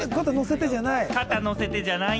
肩に乗せてじゃない？